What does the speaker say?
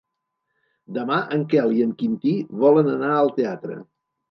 Demà en Quel i en Quintí volen anar al teatre.